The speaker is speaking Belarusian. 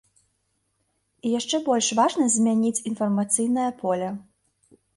І яшчэ больш важна змяніць інфармацыйнае поле.